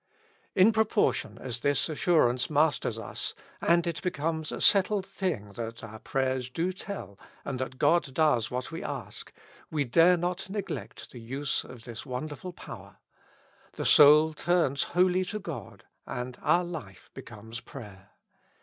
In proportion as this assurance mas ters us, and it becomes a settled thing that our pray ers do tell and that God does what we ask, we dare not neglect the use of this wonderful power : the soul turns wholly to God, and our life becomes prayer.